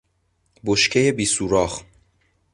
بشکهی بیسوراخ